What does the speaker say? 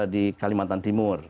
di kalimantan timur